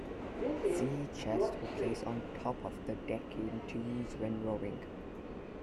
Sea chests were placed on top of the decking to use when rowing.